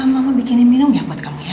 mbak bikinin minum ya buat kamu ya